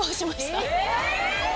え！